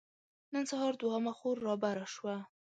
نن سهار دوهمه خور رابره شوه.